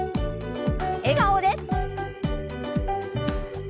笑顔で。